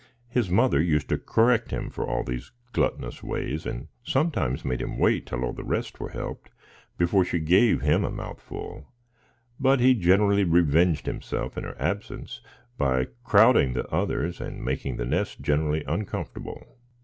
His mother used to correct him for these gluttonous ways, and sometimes made him wait till all the rest were helped before she gave him a mouthful; but he generally revenged himself in her absence by crowding the others and making the nest generally uncomfortable.